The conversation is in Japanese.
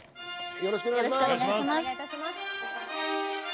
よろしくお願いします。